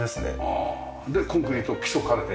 でコンクリート基礎壁で。